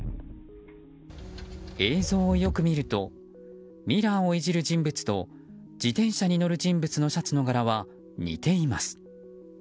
映像をよく見るとミラーをいじる人物と自転車に乗る人物のシャツの柄は似ています。